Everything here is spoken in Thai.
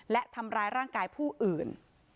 และทำร้ายร่างกายผู้อื่น